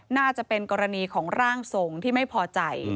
น่าจะเป็นกรณีของร่างทรงที่ไม่พอใจ